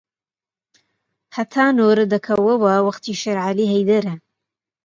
هەتا نۆرە دەکەوەوە وەختی شێرعەلی هەیدەرە